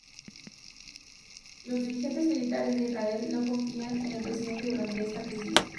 Los dirigentes militares de Israel no confían en el Presidente durante esta crisis.